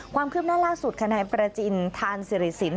ความคืบนั่นล่าสุดคณะประจินทานสิริสิน